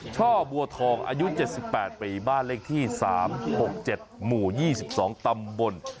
ช่อบัวทองอายุ๗๘ปีบ้านเลขที่๓๖๗หมู่๒๒ตำบล